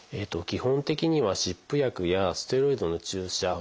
基本的には湿布薬やステロイドの注射